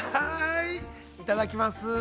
◆いただきます。